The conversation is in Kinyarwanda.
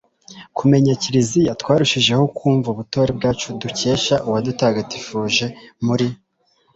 kumenya kiliziya twarushijeho kumva ubutore bwacu dukesha uwadutagatifuje muri